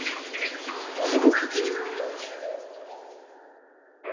すごくきれい。